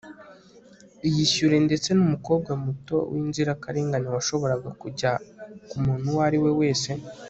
iyishyure ndetse numukobwa muto winzirakarengane washoboraga kujya kumuntu uwo ariwe wese